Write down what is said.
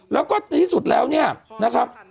แล้วก็ในที่สุดแล้วเนี่ยนะครับ